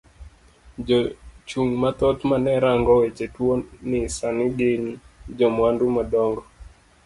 Jo chung mathoth mane rango weche tuo ni sani gin jomwandu madongo.